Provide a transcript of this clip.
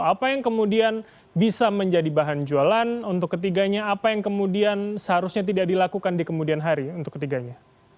apa yang kemudian bisa menjadi bahan jualan untuk ketiganya apa yang kemudian seharusnya tidak dilakukan di kemudian hari untuk ketiganya